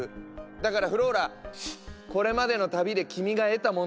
だからフローラこれまでの旅で君が得たもの。